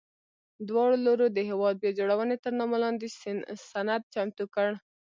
دواړو لورو د هېواد بیا جوړونې تر نامه لاندې سند چمتو کړ.